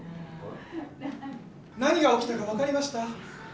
何が起きたか分かりました？